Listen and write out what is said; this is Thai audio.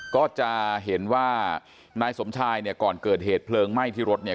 ก็จะเห็นว่านายสมชายเนี่ยก่อนเกิดเหตุเพลิงไหม้ที่รถเนี่ย